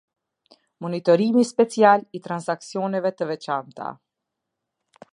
Monitorimi special i transaksioneve të veçanta.